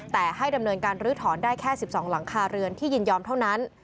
แต่ให้ดำเนินการลื้อถอนได้แค่๑๒หลังคาเรือนที่ยินยอมเท่านั้น